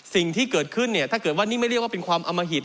สิ่งที่เกิดขึ้นเนี่ยถ้าเกิดว่านี่ไม่เรียกว่าเป็นความอมหิต